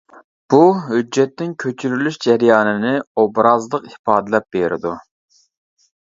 بۇ ھۆججەتنىڭ كۆچۈرۈلۈش جەريانىنى ئوبرازلىق ئىپادىلەپ بېرىدۇ.